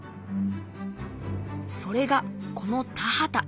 それがこの田畑。